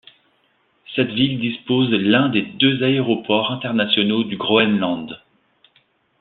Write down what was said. Cette ville dispose l'un des deux aéroports internationaux du Groenland.